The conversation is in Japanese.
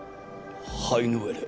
ハイヌウェレ。